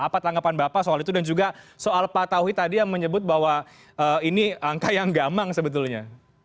apa tanggapan bapak soal itu dan juga soal pak tauhi tadi yang menyebut bahwa ini angka yang gamang sebetulnya